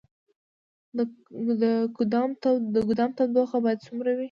د ګدام تودوخه باید څومره وي؟